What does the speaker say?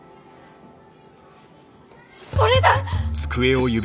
それだ！